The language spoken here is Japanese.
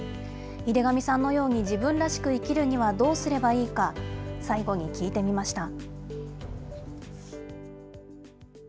井手上さんのように、自分らしく生きるにはどうすればいいか、最後に聞いてみました。